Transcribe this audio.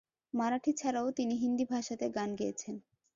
মারাঠি ছাড়াও তিনি হিন্দি ভাষাতে গান গেয়েছেন।